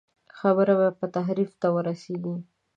خبره به تحریف ته ورسېږي.